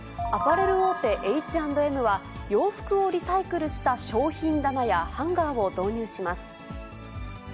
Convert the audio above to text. アパレル大手、Ｈ＆Ｍは、洋服をリサイクルした商品棚やハンガー